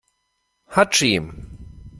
Hatschi!